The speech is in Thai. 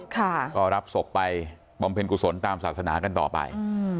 ก็รับศพไปบำเพ็ญกุศลตามศาสนากันต่อไป